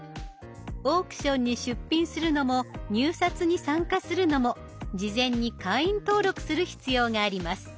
オークションに出品するのも入札に参加するのも事前に会員登録する必要があります。